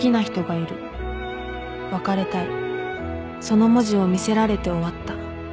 その文字を見せられて終わった